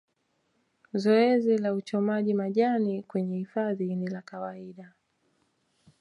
Zoezi la uchomaji majani kwenye hifadhi ni la kawaida